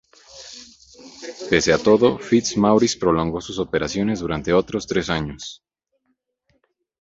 Pese a todo, FitzMaurice prolongó sus operaciones durante otros tres años.